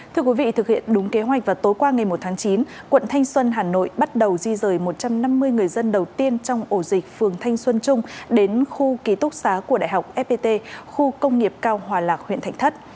thưa quý vị thực hiện đúng kế hoạch vào tối qua ngày một tháng chín quận thanh xuân hà nội bắt đầu di rời một trăm năm mươi người dân đầu tiên trong ổ dịch phường thanh xuân trung đến khu ký túc xá của đại học fpt khu công nghiệp cao hòa lạc huyện thạnh thất